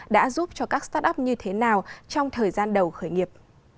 đã giúp cho các start up như thế nào trong thời gian đầu khởi nghiệp